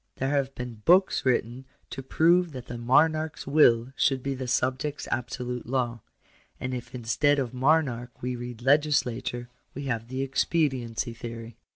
There have been books written to prove that the monarch's will should be the subject's absolute law ; and if in stead of monarch we read legislature, we have the expediency theory.